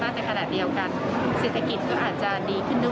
ก็นี่จากประเทศไทยเป็นประเทศที่พึงคาการท่องเที่ยวสูงนะคะ